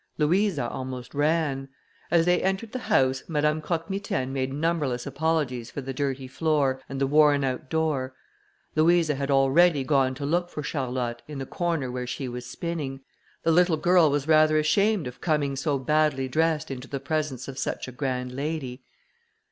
Louisa almost ran. As they entered the house, Madame Croque Mitaine made numberless apologies for the dirty floor, and the worn out door. Louisa had already gone to look for Charlotte, in the corner where she was spinning. The little girl was rather ashamed of coming so badly dressed into the presence of such a grand lady.